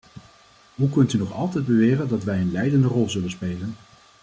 Hoe kunt u nog altijd beweren dat wij een leidende rol zullen spelen?